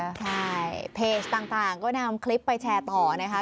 ใช่เพจต่างก็นำคลิปไปแชร์ต่อนะคะ